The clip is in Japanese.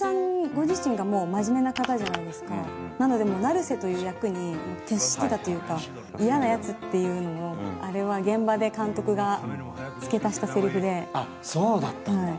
ご自身がもう真面目な方じゃないですかなのでもう成瀬という役に徹してたというか「嫌なやつ」っていうのもあれは現場で監督が付け足したセリフであっそうだったんだ